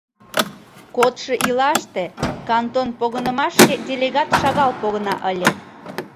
Кодшо ийлаште кантон погынымашке делегат шагал погына ыле.